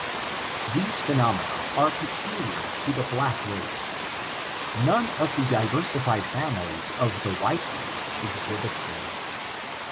These phenomena are peculiar to the black race. None of the diversi fied families of the white race exhibit them.